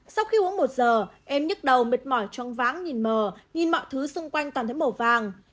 sau khi uống một giờ em nhức đầu mệt mỏi trong váng nhìn mờ nhìn mọi thứ xung quanh toàn thấy màu vàng